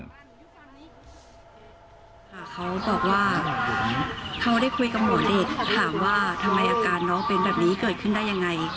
ค่ะเขาบอกว่าเขาได้คุยกับหมอเด็กถามว่าทำไมอาการน้องเป็นแบบนี้เกิดขึ้นได้ยังไง